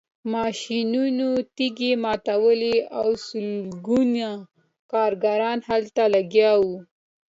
ماشینونو تیږې ماتولې او سلګونه کارګران هلته لګیا وو